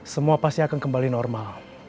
semua pasti akan kembali normal